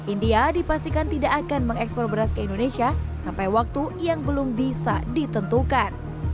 india dipastikan tidak akan mengekspor beras ke indonesia sampai waktu yang belum bisa ditentukan